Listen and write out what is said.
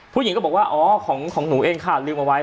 ผู้หญิงก็บอกว่าอ๋อของหนูเองค่ะลืมเอาไว้